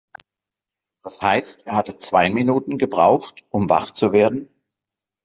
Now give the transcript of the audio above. Das heißt, er hatte zwei Minuten gebraucht, um wach zu werden.